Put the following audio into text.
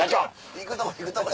行くとこ行くとこ